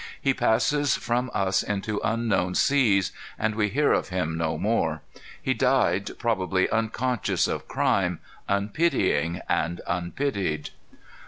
He passes from us into unknown seas, and we hear of him no more. He died probably unconscious of crime, unpitying and unpitied.